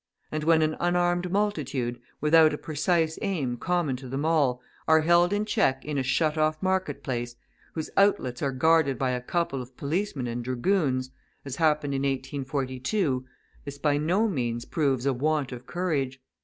And when an unarmed multitude, without a precise aim common to them all, are held in check in a shut off market place, whose outlets are guarded by a couple of policemen and dragoons, as happened in 1842, this by no means proves a want of courage.